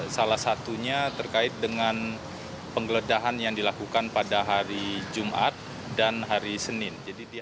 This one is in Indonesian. salah satunya terkait dengan penggeledahan yang dilakukan pada hari jumat dan hari senin